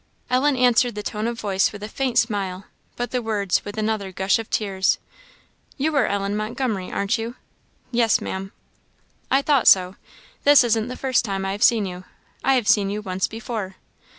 Ellen answered the tone of voice with a faint smile, but the words with another gush of tears. "You are Ellen Montgomery, aren't you?" "Yes, Maam." "I thought so. This isn't the first time I have seen you; I have seen you once before."